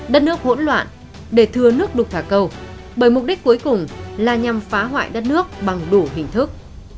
đất nước hỗn loạn để thừa nước đục thả cầu bởi mục đích cuối cùng là nhằm phá hoại đất nước bằng đủ hình thức